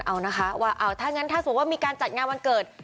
เอานะคะว่าเอาถ้างั้นถ้าสมมุติว่ามีการจัดงานวันเกิด